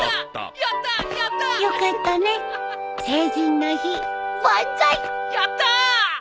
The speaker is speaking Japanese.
やったー！